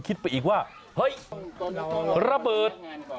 คิดไปอีกว่าเฮ้ยระเบิด